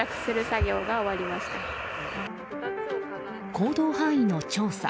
行動範囲の調査。